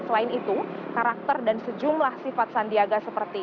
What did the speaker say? selain itu karakter dan sejumlah sifat sandiaga seperti